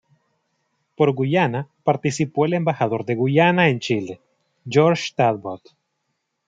Por Guyana participó el embajador de Guyana en Chile, George Talbot.